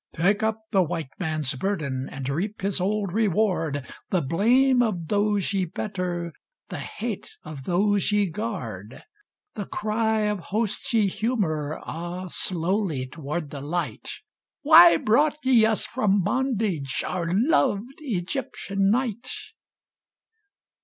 Take up the White Man's burden And reap his old reward; The blame of those ye better, The hate of those ye guard The cry of hosts ye humour (Ah, slowly!) toward the light: "Why brought ye us from bondage, Our loved Egyptian night?"